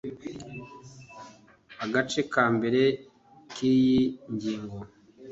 Agace ka mbere k iyi ngingo